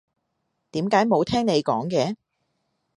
點解冇聽你講嘅？